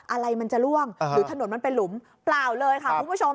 อะไรมันจะล่วงหรือถนนมันเป็นหลุมเปล่าเลยค่ะคุณผู้ชม